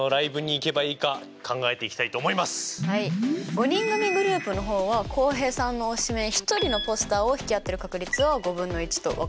５人組グループの方は浩平さんの推しメン１人のポスターを引き当てる確率は５分の１と分かっていますよね。